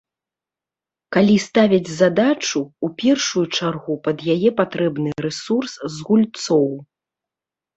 Калі ставяць задачу, у першую чаргу пад яе патрэбны рэсурс з гульцоў.